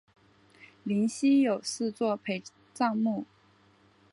灵犀有四座陪葬墓。